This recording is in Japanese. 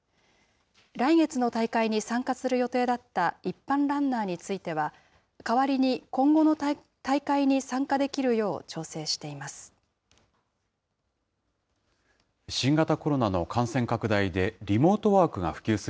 来月の大会に参加する予定だった、一般ランナーについては、代わりに今後の大会に参加できるよう調整しています。